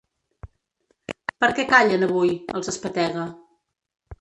Per què callen avui?, els espetega.